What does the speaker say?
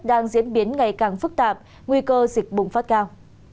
đang diễn biến ngày càng phức tạp nguy cơ dịch bùng phát cao